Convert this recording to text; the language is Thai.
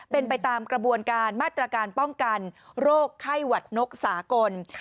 เป็นไปตามกระบวนการมาตรการป้องกันโรคไข้หวัดนกสากล